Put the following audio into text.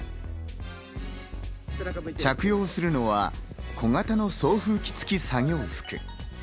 着用するのは小型の送風機付きの作業服。